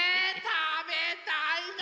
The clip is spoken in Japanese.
たべたいな！